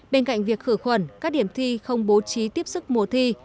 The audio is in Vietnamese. bên cạnh việc khử khuẩn các điểm thi không bố trí tiếp sức mùa thi